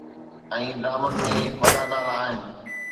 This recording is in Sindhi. ۽ ڊرامن ۾ وڏا نالا آهن